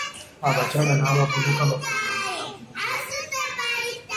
Abakyala n'abavubuka bafunye obuyambi mu by'obulimi.